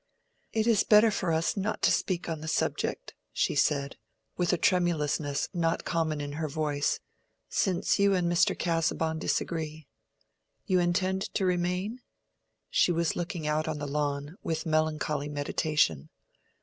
"It is better for us not to speak on the subject," she said, with a tremulousness not common in her voice, "since you and Mr. Casaubon disagree. You intend to remain?" She was looking out on the lawn, with melancholy meditation.